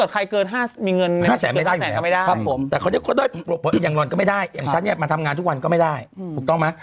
ใครเกิด๕แสนไม่ได้อยู่แล้วครับผมอย่างนอนก็ไม่ได้อย่างฉันนี้มาทำงานทุกวันก็ไม่ได้ถูกต้องไหม